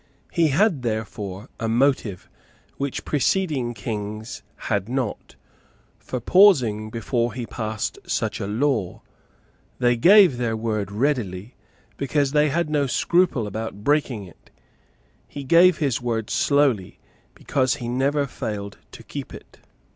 He had therefore a motive, which preceding Kings had not, for pausing before he passed such a law. They gave their word readily, because they had no scruple about breaking it. He gave his word slowly, because he never failed to keep it.